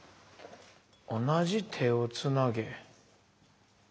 「同じ手をつなげ」？